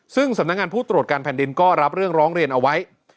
ซึ่งสำนักงานผู้ตรวจการแผ่นดินก็รับเรื่องร้องเรียนเอาไว้